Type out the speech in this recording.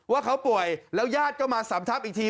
ว่าเขาป่วยแล้วญาติก็มาสำทับอีกที